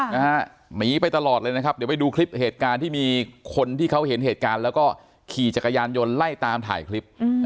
หนีไปตลอดเลยนะครับเดี๋ยวไปดูคลิปเหตุการณ์ที่มีคนที่เขาเห็นเหตุการณ์แล้วก็ขี่จักรยานยนต์ไล่ตามถ่ายคลิป